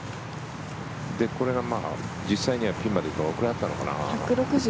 これが実際にはピンまでどのぐらいあったのかな？